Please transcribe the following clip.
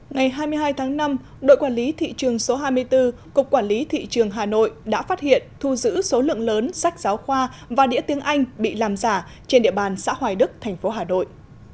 ngày hai mươi hai tháng năm đội quản lý thị trường số hai mươi bốn cục quản lý thị trường hà nội đã phát hiện thu giữ số lượng lớn sách giáo khoa và đĩa tiếng anh bị làm giả trên địa bàn xã hoài đức thành phố hà nội